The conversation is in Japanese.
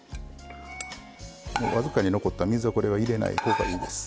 僅かに残った水はこれは入れない方がいいです。